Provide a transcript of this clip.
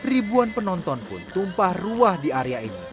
ribuan penonton pun tumpah ruah di area ini